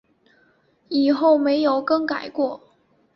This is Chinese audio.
此后没有更改过。